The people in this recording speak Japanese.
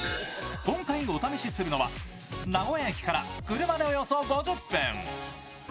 今回、お試しするのは、名古屋駅から車でおよそ５０分。